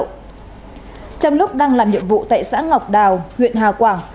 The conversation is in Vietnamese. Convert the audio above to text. trong lúc đang làm nhiệm vụ tại xã ngọc đào huyện hà quảng